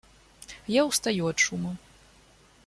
Я устаю от шума.